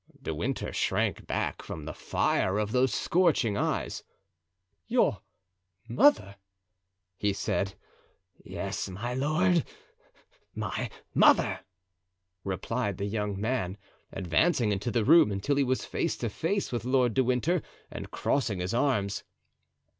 De Winter shrank back from the fire of those scorching eyes. "Your mother?" he said. "Yes, my lord, my mother," replied the young man, advancing into the room until he was face to face with Lord de Winter, and crossing his arms.